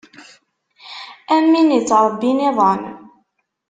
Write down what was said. Am win ittṛebbin iḍan.